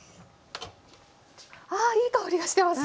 あいい香りがしてます。